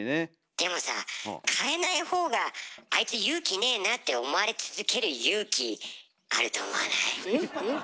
でもさ変えない方が「あいつ勇気ねえな」って思われ続ける勇気あると思わない？ん？